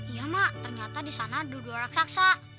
iya mak ternyata di sana ada dua dua raksasa